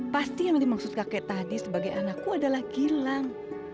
pasti yang dimaksud kakek tadi sebagai anakku adalah gilang